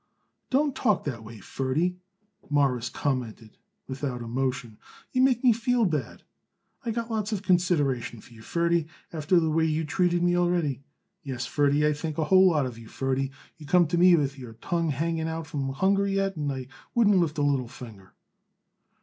"Don't talk that way, Ferdy," Morris commented, without emotion. "You make me feel bad. I got lots of consideration for you, Ferdy, after the way you treated me already. Yes, Ferdy, I think a whole lot of you, Ferdy. You could come to me with your tongue hanging out from hunger yet, and I wouldn't lift a little finger."